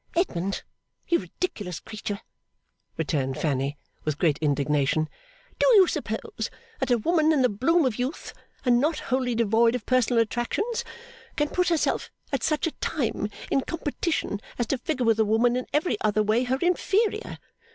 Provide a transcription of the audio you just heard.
'Edmund, you ridiculous creature,' returned Fanny, with great indignation; 'do you suppose that a woman in the bloom of youth and not wholly devoid of personal attractions, can put herself, at such a time, in competition as to figure with a woman in every other way her inferior?